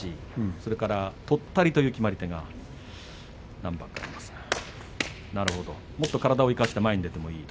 それからとったりという決まり手が何番かありますが、なるほどもっと体を生かして前に出てもいいと。